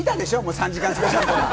３時間スペシャルとか。